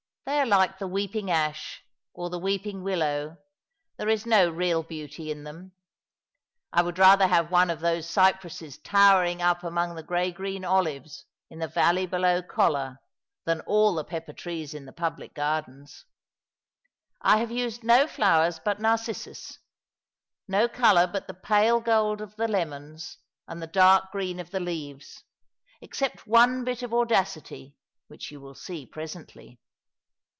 They are like the weeping ash or the weeping willow. There is no real beauiy in them. I would rather have one of those cypresses tower ing up among the grey green olives in the valley below Colla than all the pepper trees in the public gardens. I have used no flowers but narcissus ; no colour but the pale gold of the lemons and the dark green of the leaves ; except one bit of audacity which you will see presently."